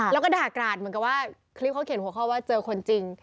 แล้วก็ด่ากราดเหมือนกับว่าคลิปเขาเขียนหัวข้อว่าเจอคนจริง